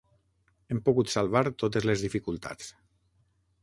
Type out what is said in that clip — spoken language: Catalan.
Hem pogut salvar totes les dificultats.